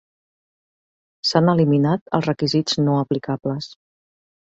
S'han eliminat els requisits no aplicables.